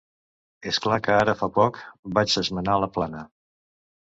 És clar que, ara fa poc, vaig esmenar la plana.